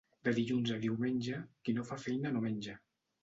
De dilluns a diumenge qui no fa feina no menja.